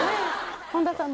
本田さん